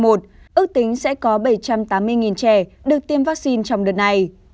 ước tính sẽ có bảy trăm tám mươi trẻ được tiêm vaccine trong đợt này